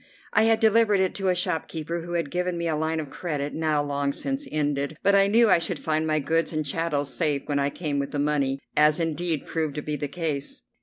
I had delivered it to a shopkeeper who had given me a line of credit now long since ended, but I knew I should find my goods and chattels safe when I came with the money, as indeed proved to be the case.